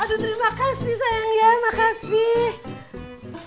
aduh terima kasih sayang ya makasih